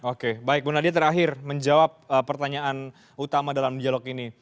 oke baik bu nadia terakhir menjawab pertanyaan utama dalam dialog ini